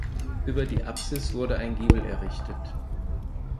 Über der Apsis wurde ein Giebel errichtet.